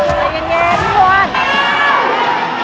ใจเย็นพี่มวล